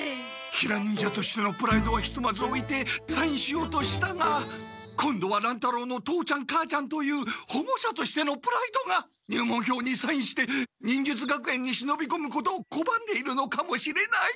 ヒラ忍者としてのプライドはひとまずおいてサインしようとしたが今度は乱太郎の父ちゃん母ちゃんというほごしゃとしてのプライドが入門票にサインして忍術学園に忍びこむことをこばんでいるのかもしれない！